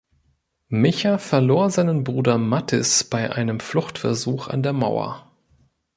Micha verlor seinen Bruder Matthis bei einem Fluchtversuch an der Mauer.